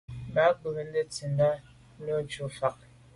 Be ke mbé’te nsindà ben njon lé’njù fa.